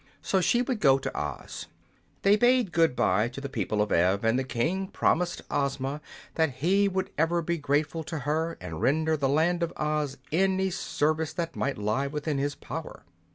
So she would go to Oz. They bade good bye to the people of Ev, and the King promised Ozma that he would ever be grateful to her and render the Land of Oz any service that might lie within his power.